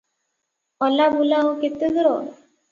ଅଲାବୁଲା ଆଉ କେତେ ଦୂର?